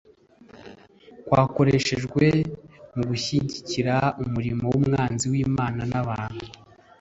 kwakoreshejwe mu gushyigikira umurimo w’umwanzi w’imana n’abantu